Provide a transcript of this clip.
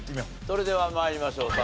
それでは参りましょう。